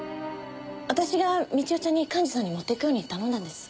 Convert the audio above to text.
私が美知代ちゃんに幹事さんに持っていくように頼んだんです。